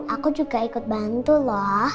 aku juga ikut bantu loh